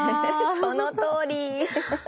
そのとおり。